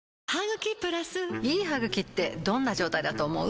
いい歯ぐきってどんな状態だと思う？